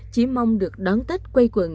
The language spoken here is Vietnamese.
chỉ mong được đón tết quay quận